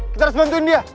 kita harus bantuin dia